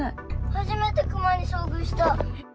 初めて熊に遭遇した！